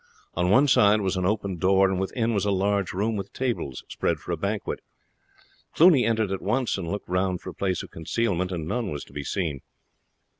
On one side was an open door, and within was a large room with tables spread for a banquet. Cluny entered at once and looked round for a place of concealment; none was to be seen.